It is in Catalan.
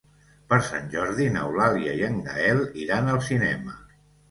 Per Sant Jordi n'Eulàlia i en Gaël iran al cinema.